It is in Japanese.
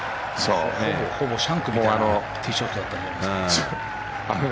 ほぼシャンクみたいなティーショットだったと思いますけど。